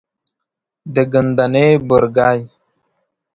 د ګندنې بورګی،